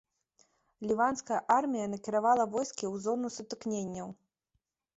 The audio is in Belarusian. Ліванская армія накіравала войскі ў зону сутыкненняў.